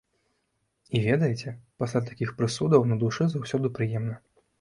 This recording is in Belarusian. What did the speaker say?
І, ведаеце, пасля такіх прысудаў на душы заўсёды прыемна.